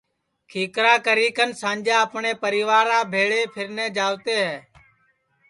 کھیکرا کری کن سانجا اپٹؔے پریوا بھیݪے پھیرنے جاوتے ہے